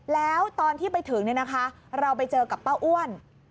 แล้วตอนที่ไปถึงเราไปเจอกับป้าอ้วน